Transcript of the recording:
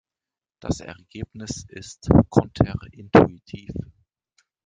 Das Ergebnis ist konterintuitiv.